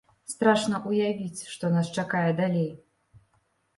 Страшна ўявіць, што нас чакае далей.